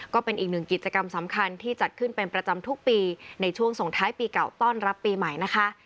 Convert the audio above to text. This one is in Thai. ก็เป็นอีกหนึ่งกิจกรรมสำคัญที่จัดขึ้นเป็นประจำทุกปีในช่วงส่งท้ายปีเก่าต้อนรับปีใหม่นะคะ